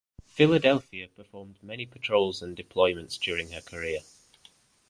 "Philadelphia" performed many patrols and deployments during her career.